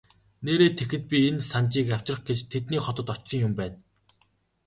Нээрээ тэгэхэд би энэ Санжийг авчрах гэж тэдний хотод очсон юм байна.